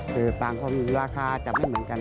คือต่างคนราคาจะไม่เหมือนกัน